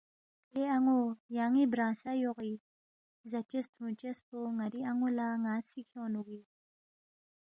لے ان٘و یان٘ی برانگسہ یوغی، زاچس تُھونگچس پو ن٘ری ان٘و لہ ن٘ا سی کھیونگنُوگی